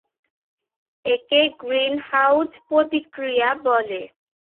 একে গ্রিনহাউস প্রতিক্রিয়া বলে।